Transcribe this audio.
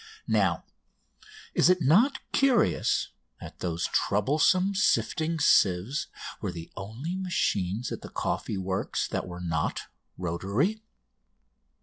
Now is it not curious that those troublesome shifting sieves were the only machines at the coffee works that were not rotary?